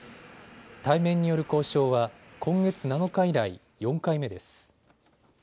対面による交渉は今月７日以来、４回目です。